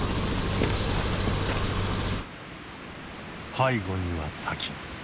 背後には滝。